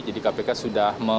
jadi kpk sudah menginginkan